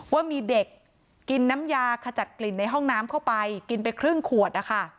ว่ามีเด็กกินน้ำยาขจัดกลิ่นในห้องน้ำเข้าไปกินไปครึ่งขวดนะคะ